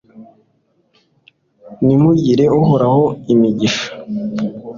nimugire uhoraho! imigisha